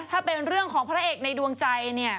ถ้าเป็นเรื่องของพระเอกในดวงใจเนี่ย